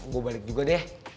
gue balik juga deh